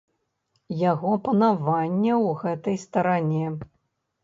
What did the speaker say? Яго панавання ў гэтай старане.